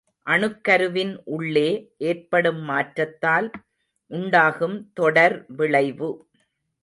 அணுக்கருவின் உள்ளே ஏற்படும் மாற்றத்தால் உண்டாகும் தொடர்விளைவு.